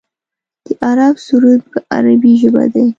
د عرب سرود په عربۍ ژبه دی.